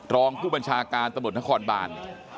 รองภูมิบัญชาการสมุทรทะคอนบ่าน